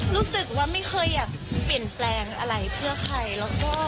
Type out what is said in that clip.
รู้สึกไม่เคยอยากเปลี่ยนแปลงอะไรทั่วใคร